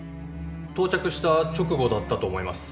到着した直後だったと思います。